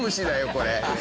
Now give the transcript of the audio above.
これ。